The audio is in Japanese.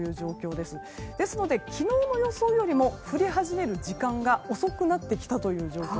ですので、昨日の予想よりも降り始める時間が遅くなってきたと。